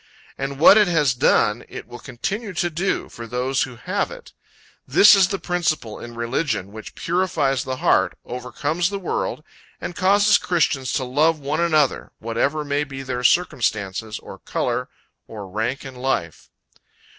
And what it has done, it will continue to do, for those who have it. This is the principle in religion which purifies the heart, overcomes the world, and causes christians to love one another, whatever may be their circumstances, or color or rank in life.